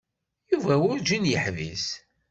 Yuba werǧin yeḥbis.